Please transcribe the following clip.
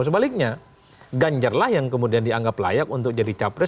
sebaliknya ganjar lah yang kemudian dianggap layak untuk jadi capres